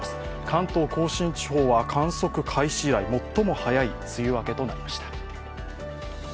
関東甲信地方は観測開始以来、最も早い梅雨明けとなりました。